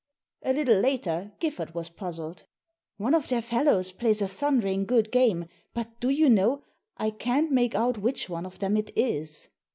A little later Giffard was puzzled. "One of their fellows plays a thundering good game, but, do you know, I can't make out which one of them it is."